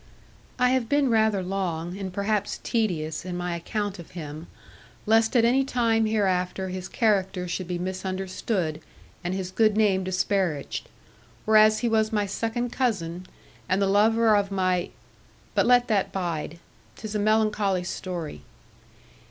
I have been rather long, and perhaps tedious, in my account of him, lest at any time hereafter his character should be misunderstood, and his good name disparaged; whereas he was my second cousin, and the lover of my But let that bide. 'Tis a melancholy story.